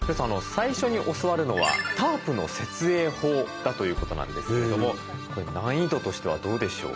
最初に教わるのはタープの設営法だということなんですけどもこれ難易度としてはどうでしょう？